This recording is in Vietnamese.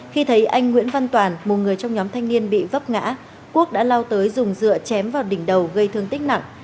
khi thấy anh nguyễn văn toàn một người trong nhóm thanh niên bị vấp ngã quốc đã lao tới dùng dựa chém vào đỉnh đầu gây thương tích nặng